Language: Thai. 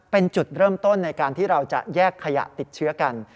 เป็นจุดเริ่มต้นในการที่เราจะแยกขยะติดเชื้อกัน